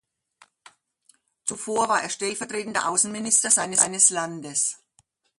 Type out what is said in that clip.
Zuvor war er stellvertretender Außenminister seines Landes.